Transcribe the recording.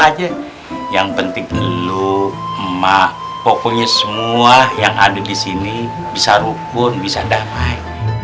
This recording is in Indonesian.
aja yang penting lu emak pokoknya semua yang ada di sini bisa rukun bisa damai